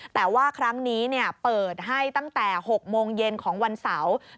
แต่ว่าครั้งนี้เปิดให้ตั้งแต่๖โมงเย็นของวันเสาร์